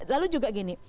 lalu juga gini